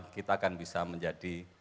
kita akan bisa menjadi